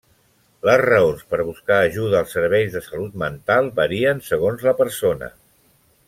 Les raons per buscar ajuda als serveis de salut mental varien segons la persona.